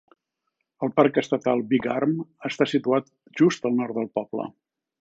El Parc Estatal Big Arm està situat just al nord del poble.